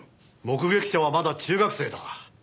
目撃者はまだ中学生だ。